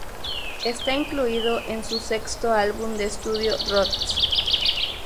Está incluido en su sexto álbum de estudio "Roots".